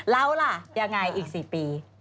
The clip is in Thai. แล้วล่ะยังไงอีก๔ปี